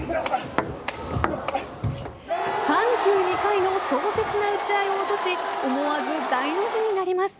３２回の壮絶な打ち合いを落とし思わず大の字になります。